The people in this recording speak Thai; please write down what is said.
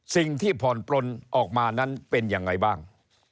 สิ่งที่ผ่อนปลนออกมานั้นเป็นยังไงบ้าง